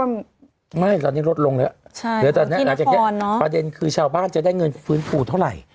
ไม่ตอนนี้ลดลงแล้วประเด็นคือชาวบ้านจะได้เงินฟื้นฟูเท่าไหร่